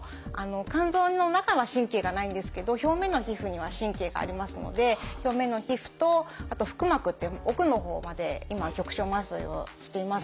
肝臓の中は神経がないんですけど表面の皮膚には神経がありますので表面の皮膚とあと腹膜っていう奥のほうまで今局所麻酔をしています。